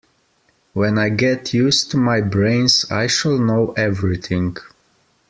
When I get used to my brains I shall know everything.